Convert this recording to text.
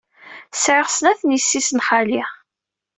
Sɛiɣ snat n yessi-s n xali.